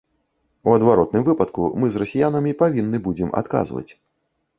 У адваротным выпадку мы з расіянамі павінны будзем адказваць.